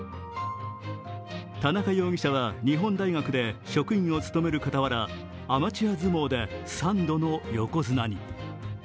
田中容疑者は日本大学で職員を務めるかたわら、アマチュア相撲で３度の横綱に。